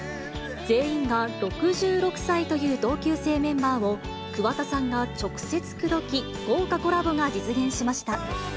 全員が６６歳という同級生メンバーを、桑田さんが直接口説き、豪華コラボが実現しました。